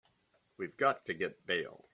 We've got to get bail.